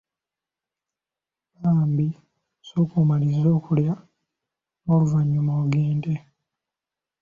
Bambi sooka omalirize okulya n’oluvannyuma ogende.